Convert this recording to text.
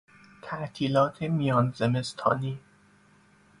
تعطیلات میان زمستانی